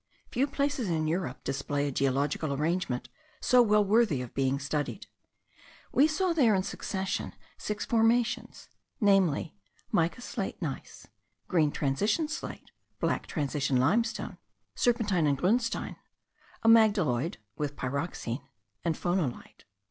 Few places in Europe display a geological arrangement so well worthy of being studied. We saw there in succession six formations: namely, mica slate gneiss, green transition slate, black transition limestone, serpentine and grunstein, amygdaloid (with pyroxene), and phonolite.